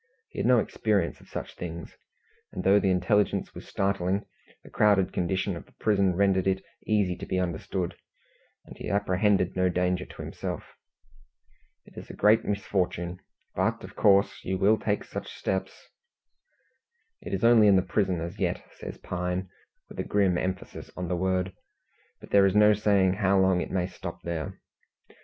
He had no experience of such things; and though the intelligence was startling, the crowded condition of the prison rendered it easy to be understood, and he apprehended no danger to himself. "It is a great misfortune; but, of course, you will take such steps " "It is only in the prison, as yet," says Pine, with a grim emphasis on the word; "but there is no saying how long it may stop there.